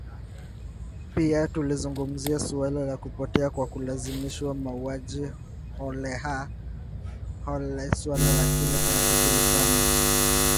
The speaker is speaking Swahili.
Pia tulizungumzia suala la kupotea kwa kulazimishwa mauaji holela suala la kile kinachojulikana